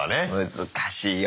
難しいよね。